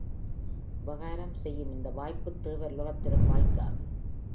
உபகாரம் செய்யும் இந்த வாய்ப்புத் தேவர் உலகத்திலும் வாய்க்காது.